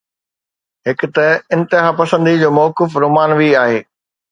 هڪ ته انتها پسنديءَ جو موقف رومانوي آهي.